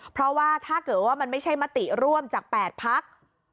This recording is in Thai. เพราะว่าถ้าเกิดว่ามันไม่ใช่มติร่วมจาก๘พัก